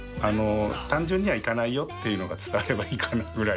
単純にはいかないよっていうのが伝わればいいかなぐらい。